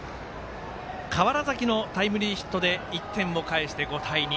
川原崎のタイムリーヒットで１点を返して５対２。